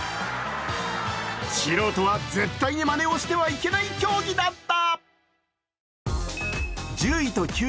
素人は絶対にまねをしてはいけない競技だった。